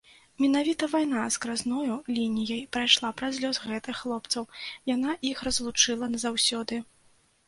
Менавіта вайна скразною лініяй прайшла праз лёс гэтых хлопцаў, яна іх разлучыла назаўсёды.